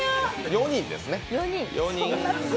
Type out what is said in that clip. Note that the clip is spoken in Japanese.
４人ですね。